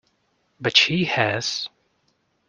But she has.